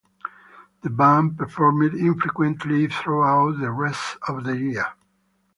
The band performed infrequently throughout the rest of the year.